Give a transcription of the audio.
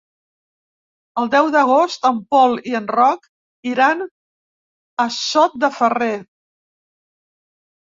El deu d'agost en Pol i en Roc iran a Sot de Ferrer.